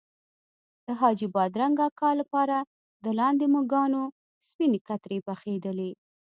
د حاجي بادرنګ اکا لپاره د لاندې مږانو سپینې کترې پخېدلې.